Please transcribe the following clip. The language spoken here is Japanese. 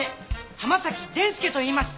浜崎伝助といいます。